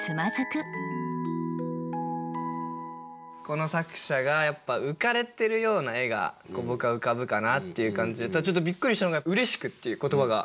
この作者がやっぱ浮かれてるような絵が僕は浮かぶかなっていう感じでちょっとびっくりしたのが「嬉しく」っていう言葉が。